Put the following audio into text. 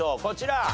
こちら。